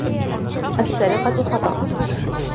السرقة خطأ.